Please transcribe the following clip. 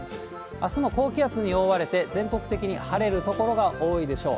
あすも高気圧に覆われて、全国的に晴れる所が多いでしょう。